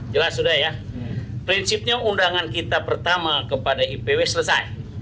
jelas sudah ya prinsipnya undangan kita pertama kepada ipw selesai